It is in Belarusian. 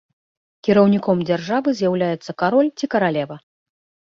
Кіраўніком дзяржавы з'яўляецца кароль ці каралева.